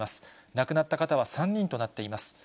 亡くなった方は３人となっています。